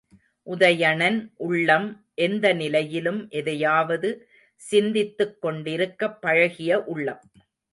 உதயணன் உள்ளம் எந்த நிலையிலும் எதையாவது சிந்தித்துக் கொண்டிருக்கப் பழகிய உள்ளம்.